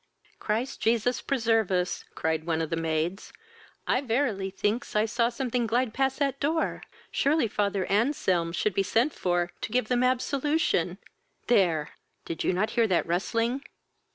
"Christ Jesus preserve us! (cried on of the maids,) I verily thinks I saw something glide past that door! Surely father Anselm should be sent for to give them absolution: There! did you not hear that rustling?"